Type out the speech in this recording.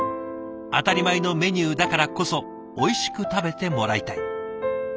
当たり前のメニューだからこそおいしく食べてもらいたい。